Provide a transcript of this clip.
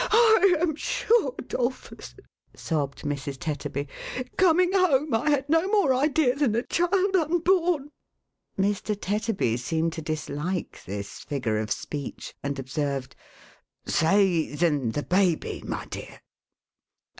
"I am 'sure, 'Dolphus," sobbed Mrs. Tetterby, ^coming home, I had no more idea than a child unborn— 458 THE HAUNTED MAN. Mr. Tetterby seemed to dislike this figure of speech, and observed, " Say than the baby, my dear.""